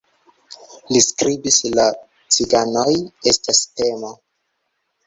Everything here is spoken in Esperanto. Li skribis "La ciganoj estas temo.